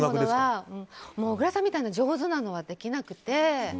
小倉さんみたいな上手なのはできなくて。